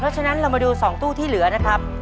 เพราะฉะนั้นเรามาดู๒ตู้ที่เหลือนะครับ